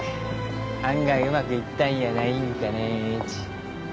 案外うまくいったんやないんかねっち。